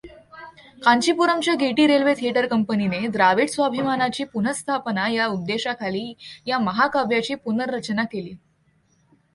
कांचीपुरमच्या गेटी railway theatre कंपनीने द्राविड स्वाभिमानाची पुनःस्थापना या उद्देशाखाली या महाकाव्याची पुनर्रचना केली.